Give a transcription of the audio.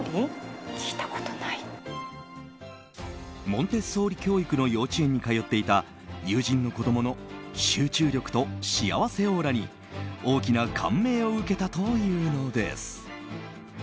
モンテッソーリ教育の幼稚園に通っていた友人の子供の集中力と幸せオーラに大きな感銘を受けたというのです。